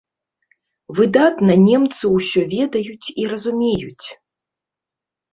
Выдатна немцы ўсё ведаюць і разумеюць.